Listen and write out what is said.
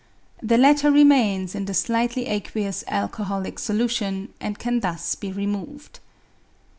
The latter remains in the slightly aqueous alcoholic solution, and can thus be removed.